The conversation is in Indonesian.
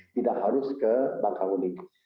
tidak harus ke bangka unik